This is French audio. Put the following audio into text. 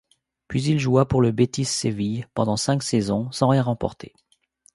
Puis il joua pour le Betis Séville, pendant cinq saisons, sans rien remporter.